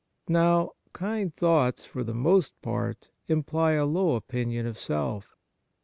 Now, kind thoughts for the most part imply a low opinion of self.